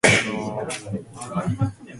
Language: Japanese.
セロリ